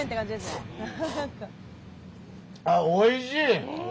あっおいしい！